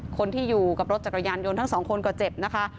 คนที่อยู่กับรถจักรยานยนต์ทั้งสองคนก็เจ็บนะคะ